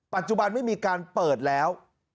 ปัจจุบันไม่มีการเปิดแล้ว